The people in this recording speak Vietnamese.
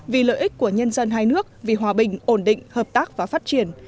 vì lợi ích của nhân dân hai nước vì hòa bình ổn định hợp tác và phát triển